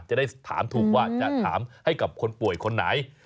จะได้ถามถูกว่าจะถามให้กับคนป่วยคนไหน